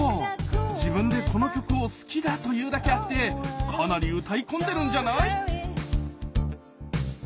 自分でこの曲を好きだと言うだけあってかなり歌い込んでるんじゃない？